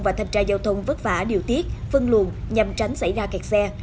và thanh tra giao thông vất vả điều tiết phân luồn nhằm tránh xảy ra kẹt xe